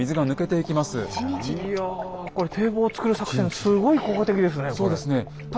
いやこれ堤防を造る作戦すごい効果的ですねこれ。